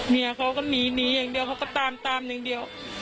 เมียเขาก็หนีหนีอย่างเดียวเขาก็ตามตามอย่างเดียว